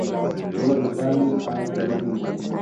kwenda vitani au kurithi mali